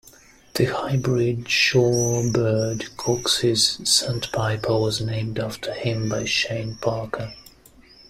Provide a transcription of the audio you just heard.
The hybrid shorebird Cox's sandpiper was named after him by Shane Parker.